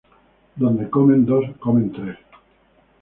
Donde comen dos, comen tres